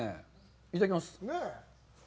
いただきます。